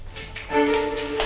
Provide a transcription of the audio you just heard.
aku akan menjaga dia